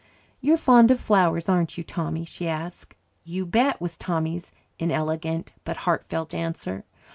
"You're fond of flowers, aren't you, Tommy?" she asked. "You bet," was Tommy's inelegant but heartfelt answer.